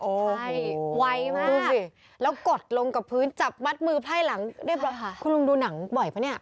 ใช่ไวมากดูสิแล้วกดลงกับพื้นจับมัดมือไพ่หลังเรียบร้อยค่ะคุณลุงดูหนังบ่อยปะเนี่ย